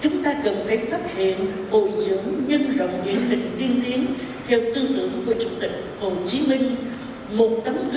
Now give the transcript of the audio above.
trong thời gian tới chủ tịch quốc hội nguyễn thị kim ngân lưu ý tỉnh thái nguyên cần tiếp tục phát động các phong trào thi đua yêu nước thời gian qua và lưu ý thêm một số vấn đề sau đây